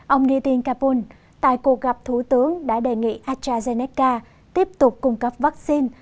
ông nitin kapul tại cuộc gặp thủ tướng đã đề nghị astrazeneca tiếp tục cung cấp vaccine